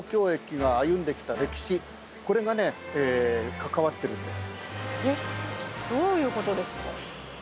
これがね関わってるんです。